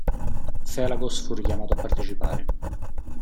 Felagos fu richiamato a partecipare.